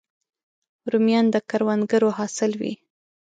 رومیان د کروندګرو حاصل وي